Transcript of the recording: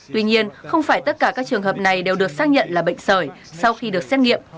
tuy nhiên không phải tất cả các trường hợp này đều được xác nhận là bệnh sởi sau khi được xét nghiệm